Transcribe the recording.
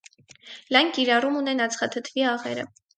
Լայն կիրառում ունեն ածխաթթվի աղերը։